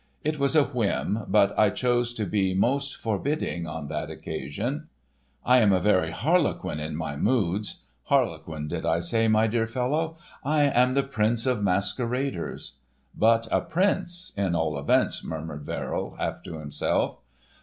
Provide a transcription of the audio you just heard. It was a whim, but I chose to be most forbidding on that occasion. I am a very Harlequin in my moods; Harlequin did I say, my dear fellow I am the Prince of Masqueraders." "But a Prince in all events," murmured Verrill, half to himself.